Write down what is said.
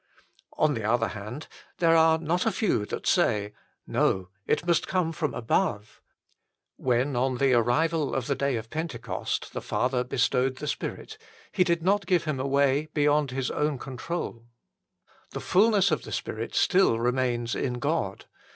On the other hand, there are not a few that say, " No ; it must come from ABOVE." When, HOW FULLY IT IS ASSUEED TO US BY GOD 141 on the arrival of the day of Pentecost, the Father bestowed the Spirit, He did not give Him away beyond His own control. The ful ness of the Spirit still remains in God.